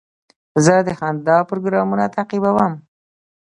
زه د خندا پروګرامونه تعقیبوم.